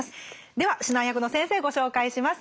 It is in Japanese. では指南役の先生ご紹介します。